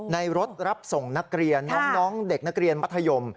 ในรถรับส่งนักเรียนน้องเด็กนักเรียนมัธยม